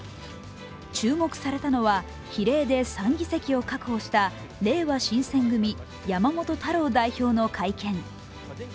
注目されたのは比例で３議席を確保したれいわ新選組・山本太郎代表の会見。